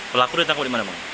pelaku ditangkap di mana